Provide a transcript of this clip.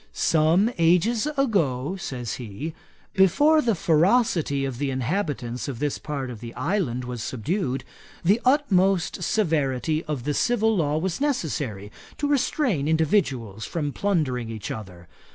"Some ages ago, (says he,) before the ferocity of the inhabitants of this part of the island was subdued, the utmost severity of the civil law was necessary, to restrain individuals from plundering each other.